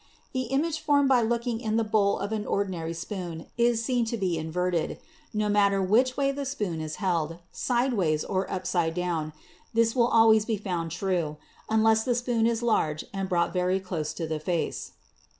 The image formed by looking in the bowl of an ordi nary spoon is seen to be inverted. No matter which way the spoon is held, sidewise or upside down, this will al ways be found true — unless the spoon is large and brought very close to the face.